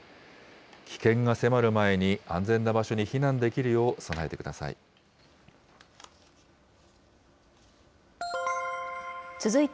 危険が迫る前に、安全な場所に避難できるよう備えてください。